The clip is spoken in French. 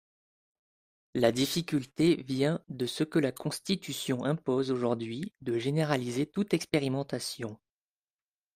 La difficulté vient de ce que la Constitution impose aujourd’hui de généraliser toute expérimentation.